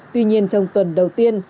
tuy nhiên trong tuần đầu tiên